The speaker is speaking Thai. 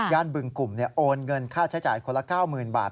บึงกลุ่มโอนเงินค่าใช้จ่ายคนละ๙๐๐บาท